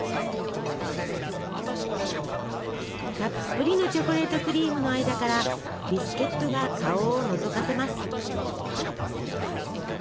たっぷりのチョコレートクリームの間からビスケットが顔をのぞかせます。